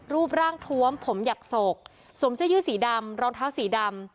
รูปร่างทวมผมอยากโศกสวมเสื้อยืดสีดำรองเท้าสีดำ